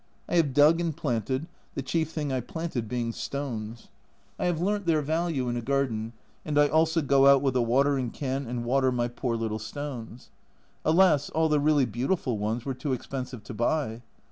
I have dug and planted, the chief thing I planted being stones. I have learnt their value in a garden, and I also go out with a watering can and water my poor little stones. Alas, all the really beautiful ones were too expensive to buy.